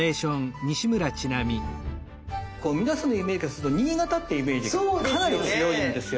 皆さんのイメージからすると新潟ってイメージがかなり強いんですよ。